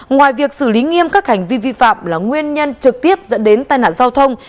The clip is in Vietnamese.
ngoài việc xử lý nghiêm các hành vi vi phạm là nguyên nhân trực tiếp dẫn đến tai nạn giao thông